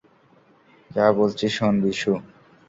যা বলছি শোন, বিশু।